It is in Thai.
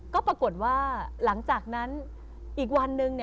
ก็ปรากฏว่าหลังจากนั้นอีกวันหนึ่ง